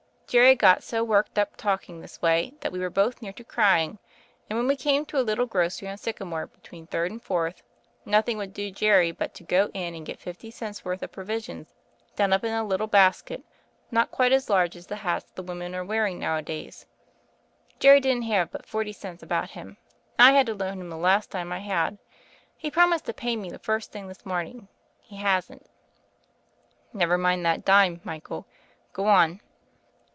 Jerry got so worked uj> talking this way, that we were both near to crying; and when we came to a little grocery on Sycamore between Third and Fourth, nothing would do Jerry but to go in and get fifty cents* worth of provisions done up in a little basket, not quite as large as the hats the women are wearing nowadays. Jerry didn't have but forty cents about him, and I had to loan him the last dime I had. He promised to pay me the first thing this morning; he hasn't." "Never mind that dime, Michael. Go on."